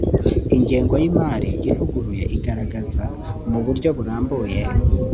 ingengo y’imari ivuguruye igaragaza mu buryo burambuye